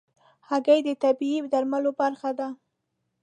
هګۍ د طبيعي درملو برخه ده.